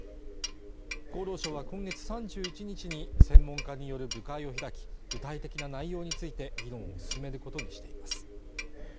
厚労省は今月３１日に専門家による部会を開き具体的な内容について議論を進めることにしています